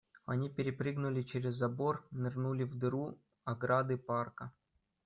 Они перепрыгнули через забор, нырнули в дыру ограды парка.